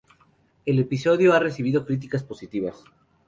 El episodio ha recibido críticas positivas.